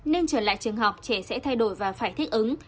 nên trở lại trường học trẻ sẽ thay đổi và phải thích ứng